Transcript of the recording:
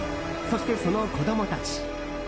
そして、その子供たち。